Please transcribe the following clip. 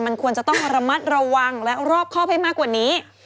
มันควรจะต้องระมัดระวังและรอบครอบให้มากกว่านี้